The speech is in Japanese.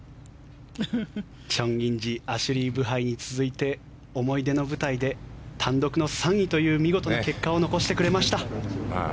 チョン・インジアシュリー・ブハイに続いて思い出の舞台で単独の３位という見事な結果を残してくれました。